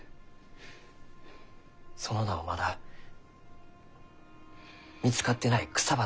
その名をまだ見つかってない草花